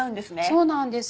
そうなんです